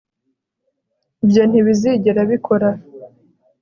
Ibyo ntibizigera bikora